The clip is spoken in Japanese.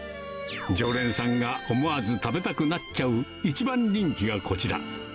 常連さんが思わず食べたくなっちゃう一番人気がこちら。